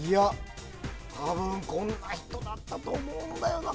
多分こんな人だったと思うんだよな。